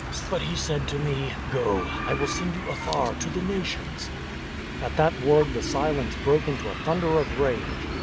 But He said to me, 'Go; I will send you afar to the Nations '" At that word the silence broke into a thunder of rage.